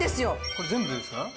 これ全部でですか？